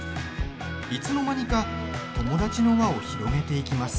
いつの間にか友達の輪を広げていきます。